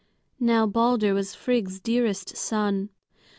Now Balder was Queen Frigg's dearest son.